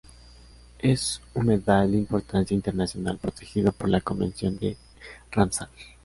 Es un humedal de importancia internacional protegido por la convención de Ramsar.